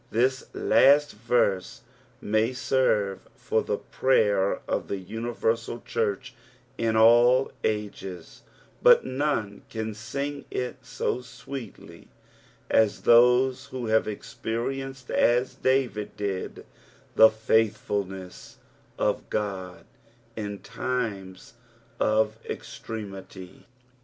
This last verse may serve for the prayer of the universal church in ell ages, but none can sing it so sweetly as those who have experienced as David did the faithfulness of God ia times of extremity.